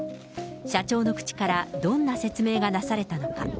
社長の口からどんな説明がなされたのか。